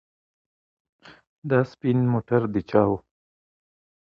دا سپین موټر د چا و؟